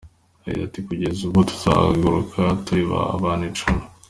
Yagize ati “Kugeza ubu tuzahaguruka turi abantu icumi.